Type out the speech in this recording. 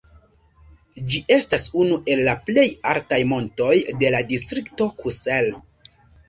Ĝi estas unu el la plej altaj montoj de la distrikto Kusel.